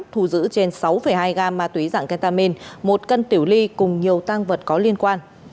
thu giữ trên sáu hai gam ma túy dạng ketamin một cân tiểu ly cùng nhiều tăng vật có liên quan